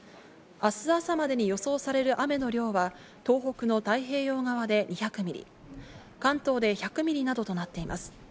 明日朝までに予想される雨の量は東北の太平洋側で２００ミリ、関東で１００ミリなどとなっています。